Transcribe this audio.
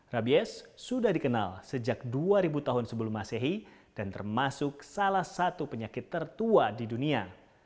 rabies sudah dikenal sejak dua ribu tahun sebelum masehi dan termasuk salah satu penyakit tertua di dunia